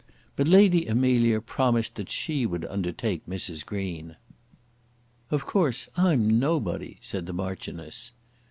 But Lady Amelia promised that she would undertake Mrs. Green. "Of course I'm nobody," said the Marchioness.